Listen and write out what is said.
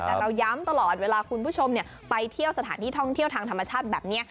แต่เราย้ำตลอดเวลาคุณผู้ชมไปเที่ยวสถานที่ท่องเที่ยวทางธรรมชาติแบบนี้